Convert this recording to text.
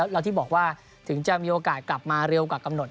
แล้วที่บอกว่าถึงจะมีโอกาสกลับมาเร็วกว่ากำหนด